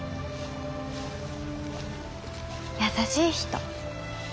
優しい人。